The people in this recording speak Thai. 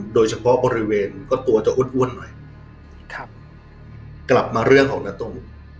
โดยเฉพาะบริเวณก็ตัวจะอ้วนอ้วนหน่อยครับกลับมาเรื่องของนาตุ้ม